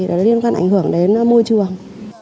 đó là liên quan ảnh hưởng đến môi trường